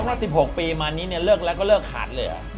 เมื่อ๑๖ปีมานี้เนี่ยเลิกแล้วก็เลิกขาดเลยอะ